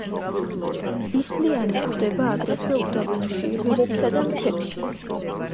ისლიანი გვხვდება აგრეთვე უდაბნოში, ველებსა და მთებში.